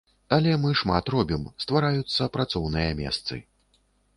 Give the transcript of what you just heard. Але мы шмат робім, ствараюцца працоўныя месцы.